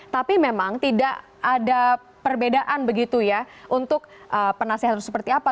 tapi memang tidak ada perbedaan begitu ya untuk penasehat itu seperti apa